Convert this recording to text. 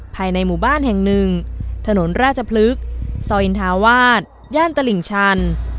ภายในหมู่บ้านแห่งหนึ่งถนนราชพลึกซอยอินทาวาสย่านตลิ่งชัน